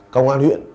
công an huyện